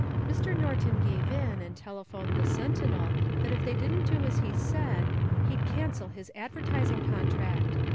"Mr. Norton gave in, and telephoned the Sentinel that if it didn't do as he said he'd cancel his advertising contract.